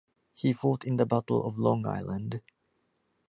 He fought in the Battle of Long Island.